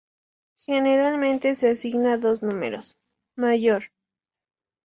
Generalmente se asigna dos números, "mayor".